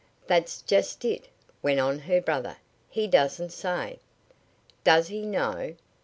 "That's just it," went on her brother. "He doesn't say." "Does he know?"